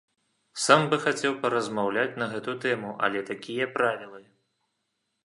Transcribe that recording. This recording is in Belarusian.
Сам бы хацеў паразмаўляць на гэту тэму, але такія правілы.